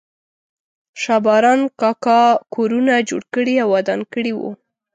شا باران کاکا کورونه جوړ کړي او ودان کړي وو.